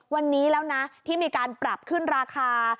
วันนี้แล้วนะที่มีการปรับขึ้นราคา